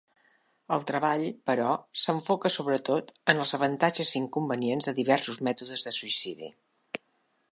El treball, però, s'enfoca sobretot en els avantatges i inconvenients de diversos mètodes de suïcidi.